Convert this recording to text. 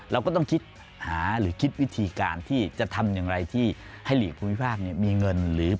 เราก็ต้องคิดหาหรือคิดวิธีการที่จะทำอย่างไรที่ให้หลีกภูมิภาคมีเงินหรือ